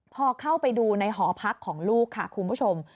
พอเข้าไปดูในหอพักของลูกค่ะคุณผู้ชม